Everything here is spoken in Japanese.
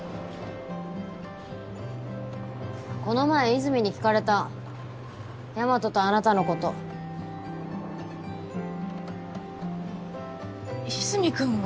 この前和泉に聞かれた大和とあなたのこと和泉君が？